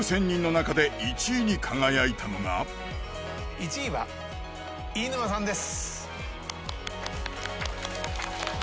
１位は飯沼さんです